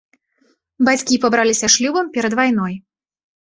Бацькі пабраліся шлюбам перад вайной.